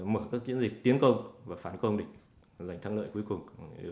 mở các chiến dịch tiến công và phản công để giành thắng lợi cuối cùng